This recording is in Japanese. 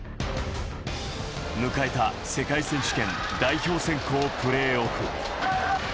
迎えた世界選手権代表選考プレーオフ。